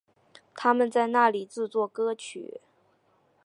他们在那里制作歌曲。